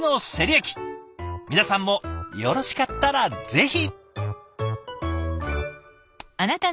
皆さんもよろしかったらぜひ。